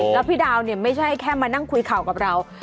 แล้วพี่ดาวเนี่ยไม่ใช่แค่มานั่งคุยข่าวกับเรา